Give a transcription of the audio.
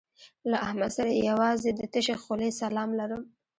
له احمد سره یوازې د تشې خولې سلام لرم.